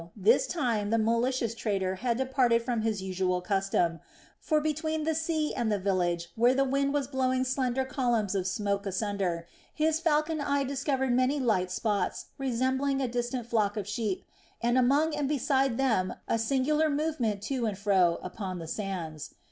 This time the malicious traitor had departed from his usual custom; for between the sea and the village, where the wind was blowing slender columns of smoke asunder, his falcon eye discovered many light spots resembling a distant flock of sheep, and among and beside them a singular movement to and fro upon the sands.